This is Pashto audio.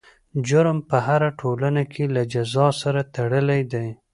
جرم په هره ټولنه کې له جزا سره تړلی دی.